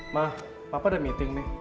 mah papa ada meeting nih